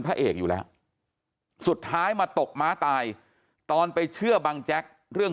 พระเอกอยู่แล้วสุดท้ายมาตกม้าตายตอนไปเชื่อบังแจ๊กเรื่อง